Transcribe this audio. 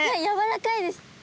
やわらかいです。